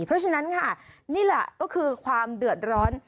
เพราะฉะนั้นค่ะนี่แหละก็คือความเดือดร้อน